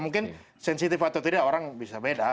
mungkin sensitif atau tidak orang bisa beda